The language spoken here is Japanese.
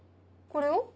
これを？